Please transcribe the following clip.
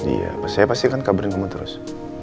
iya saya pastikan kabarin kamu terus